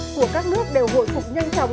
của các nước đều hồi phục nhanh chóng